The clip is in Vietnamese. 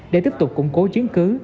để tiếp tục củng cố chiến cứu